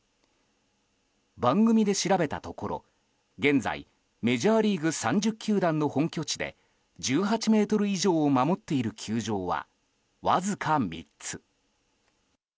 番組で調べたところ現在、メジャーリーグ３０球団の本拠地で１８ｍ以上を守っている球場はわずか３つ。